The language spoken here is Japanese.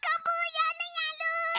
やるやる！